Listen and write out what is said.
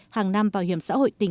hàng năm bảo hiểm xã hội tỉnh